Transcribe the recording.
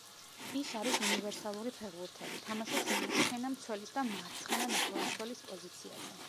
ის არის უნივერსალური ფეხბურთელი, თამაშობს მარცხენა მცველის და მარცხენა ნახევარმცველის პოზიციაზე.